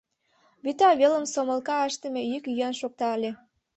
Вӱта велым сомылка ыштыме йӱк-йӱан шокта ыле.